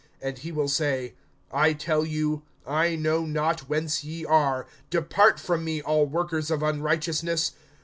(27)And he will say, I tell you, I know not whence ye are; depart from me, all workers of unrighteousness.